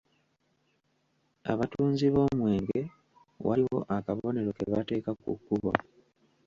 Abatunzi b’omwenge waliwo akabonero ke bateeka ku kkubo.